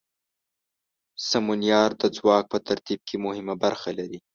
سمونیار د ځواک په ترتیب کې مهمه برخه لري.